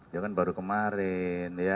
ya kan baru kemarin